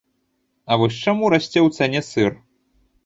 А вось чаму расце ў цане сыр?